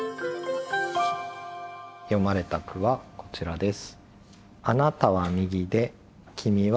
詠まれた句はこちらです。